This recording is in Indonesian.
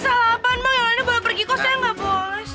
yang lainnya boleh pergi kos ya nggak bos